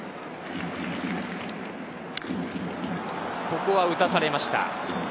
ここは打たされました。